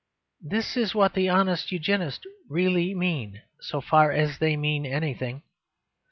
This is what the honest Eugenists really mean, so far as they mean anything.